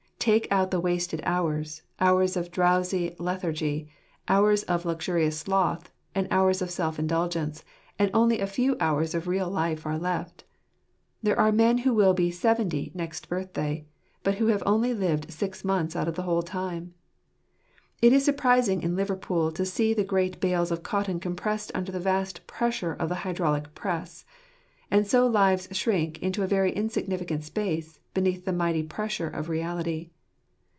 Take out the wasted hours, hours of drowsy lethargy, hours of luxurious sloth, and hours of self indulgence ; and only a few hours of real life are left. There are men who will be seventy next birthday, but who have only lived six months out of the whole time. It is surprising in Liverpool to see the great bales of cotton compressed under the vast pressure of the hydraulic press ; and so lives shrink into a very insignificant space, beneath the mighty pressure of reality.